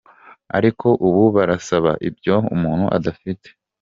Ariko ubu barasaba ibyo umuntu adafite.